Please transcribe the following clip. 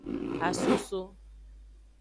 Hasoso.